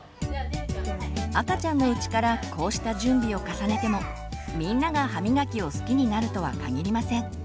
赤ちゃんのうちからこうした準備を重ねてもみんなが歯みがきを好きになるとは限りません。